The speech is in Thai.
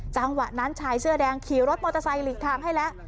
จังหวะนั้นชายเสื้อแดงขี่รถมอเตอร์ไซค์หลีกทางให้แล้ว